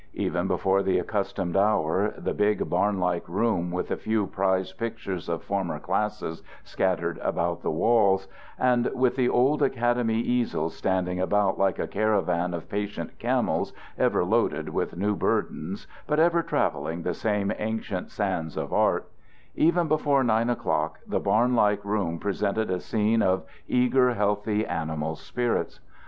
Even before the accustomed hour the big barnlike room, with a few prize pictures of former classes scattered about the walls, and with the old academy easels standing about like a caravan of patient camels ever loaded with new burdens but ever traveling the same ancient sands of art even before nine o'clock the barnlike room presented a scene of eager healthy animal spirits.